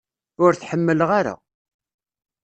Ur t-ḥemmleɣ ara.